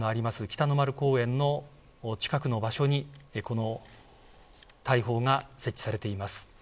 北の丸公園の近くの場所にこの大砲が設置されています。